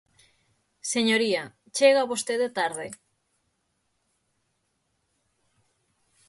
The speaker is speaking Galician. Señoría, chega vostede tarde.